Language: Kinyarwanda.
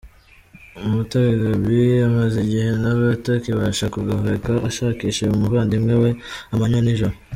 Umutare Gaby amaze igihe nawe atakibasha kugoheka, ashakisha uyu muvandimwe we amanywa n'ijoro.